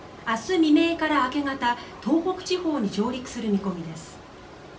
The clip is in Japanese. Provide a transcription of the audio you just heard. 未明から明け方東北地方に上陸する見込みです。